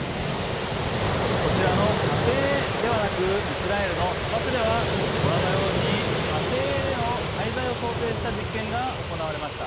こちらの火星、ではなく、イスラエルの砂漠では、ご覧のように、火星での滞在を想定した実験が行われました。